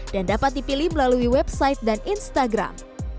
dan dapat dipilih melalui website dan instagram